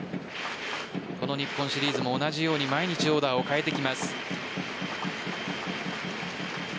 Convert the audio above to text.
この日本シリーズも同じように毎日、オーダーを変えてきます。